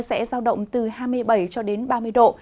sẽ giao động từ hai mươi bảy ba mươi độ